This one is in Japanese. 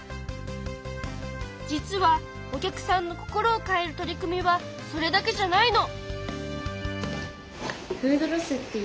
実はお客さんの心を変える取り組みはそれだけじゃないの！